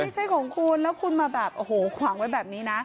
ไม่ใช่ของคุณแล้วคุณมาแบบโอ้โหขวางไว้แบบนี้นะ